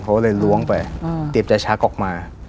เขาก็เลยล้วงไปเตรียมจะชักออกมา